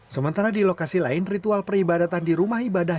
sementara di lokasi lain ritual peribadatan di rumah ibadah